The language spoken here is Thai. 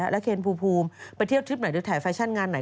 และเคนภูมิภูมิไปเที่ยวทริปหน่อยถ่ายแฟชั่นงานหน่อย